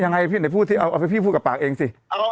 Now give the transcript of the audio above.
ยังไงล่ะเอาให้พี่พูดกับปากเองสิ